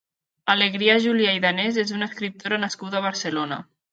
Alegria Julià i Danés és una escriptora nascuda a Barcelona.